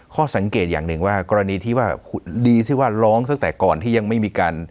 ข้อสังเกตอย่างหนึ่งว่ากรณีที่ว่าดีที่ว่าร้องตั้งแต่ก่อนที่ยังไม่มีการ